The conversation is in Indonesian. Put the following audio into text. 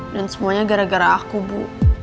dan semuanya gara gara aku bu